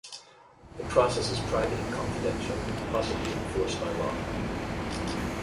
The process is private and confidential, possibly enforced by law.